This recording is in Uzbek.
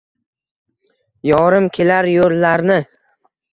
Yorim kelar yoʼllarni